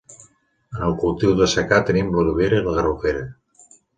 En el cultiu de secà tenim l'olivera i la garrofera.